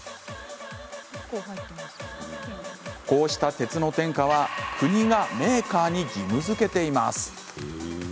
こうした鉄の添加は国がメーカーに義務づけています。